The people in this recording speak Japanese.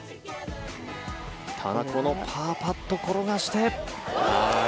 ただこのパーパットを転がして。